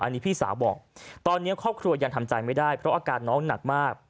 อันนี้พี่สาวบอกตอนนี้ครอบครัวยังทำใจไม่ได้เพราะอาการน้องหนักมาก